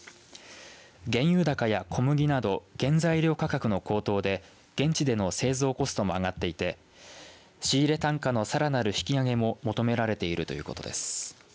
原油高や小麦など原材料価格の高騰で現地での製造コストも上がっていて仕入れ単価のさらなる引き上げも求められているということです。